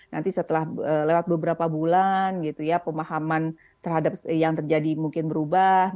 nanti setelah lewat beberapa bulan gitu ya pemahaman terhadap yang terjadi mungkin berubah